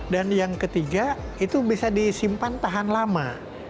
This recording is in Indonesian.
dan yang ketiga itu bisa disimpan tahan lama